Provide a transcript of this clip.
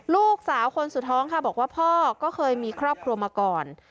ลูกสาวคนสุดท้องค่ะบอกว่าพ่อก็เคยมีครอบครัวมาก่อน